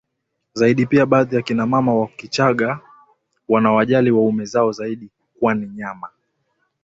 zaidiPia baadhi ya kina mama wa Kichaga wanawajali waume zao zaidi kwani nyama